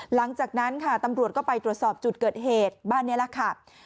หลังจากนั้นค่ะตำรวจก็ไปตรวจสอบจุดเกิดเหตุบ้านนี้แหละค่ะ